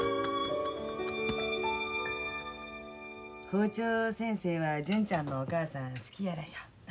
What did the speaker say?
校長先生は純ちゃんのお母さん好きやらよ。